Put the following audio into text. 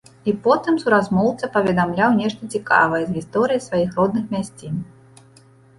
І потым суразмоўца паведамляў нешта цікавае з гісторыі сваіх родных мясцін.